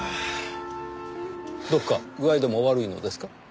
どこか具合でもお悪いのですか？